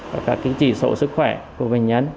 và các chỉ số sức khỏe của bệnh nhân